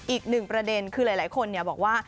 อีกหนึ่งประเด็นคือหลายคนบอกว่า